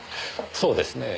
そうですねえ。